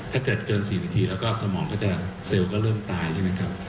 ถ้าเกิดเกิน๔นาทีแล้วก็สมองก็จะเซลล์ก็เริ่มตายใช่ไหมครับ